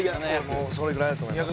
それぐらいだと思います